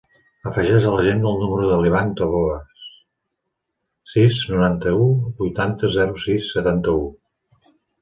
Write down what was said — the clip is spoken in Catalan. Afegeix a l'agenda el número de l'Ivan Taboas: sis, noranta-u, vuitanta, zero, sis, setanta-u.